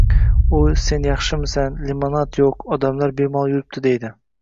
U sen yaxshisan, limonad yo'q, odamlar bemalol yuribdi, deydi